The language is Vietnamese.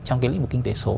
trong cái lĩnh vực kinh tế số